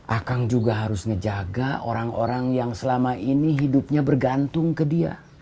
akang juga harus ngejaga orang orang yang selama ini hidupnya bergantung ke dia